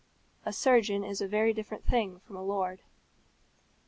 A surgeon is a very different thing from a lord.